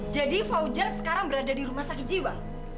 jadi fauzan sekarang berada di rumah sakit jiwa